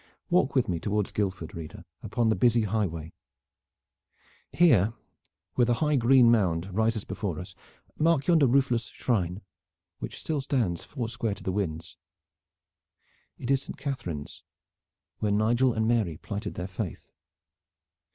Walk with me toward Guildford, reader, upon the busy highway. Here, where the high green mound rises before us, mark yonder roofless shrine which still stands foursquare to the winds. It is St. Catharine's, where Nigel and Mary plighted their faith.